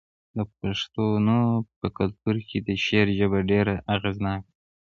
د پښتنو په کلتور کې د شعر ژبه ډیره اغیزناکه ده.